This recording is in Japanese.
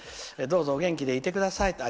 どうぞお元気でいてください」。